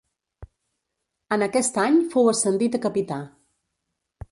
En aquest any fou ascendit a capità.